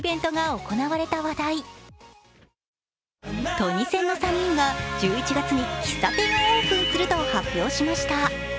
トニセンの３人が１１月に喫茶店をオープンすると発表しました。